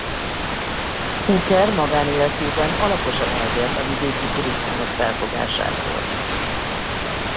Hooker magánéletében alaposan eltért a vidéki puritánok felfogásától.